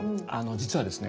実はですね